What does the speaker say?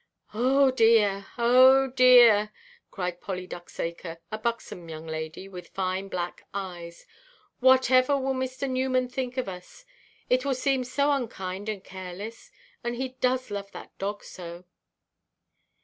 "Oh dear, oh dear," cried Polly Ducksacre, a buxom young lady, with fine black eyes, "whatever will Mr. Newman think of us? It will seem so unkind and careless; and he does love that dog so!"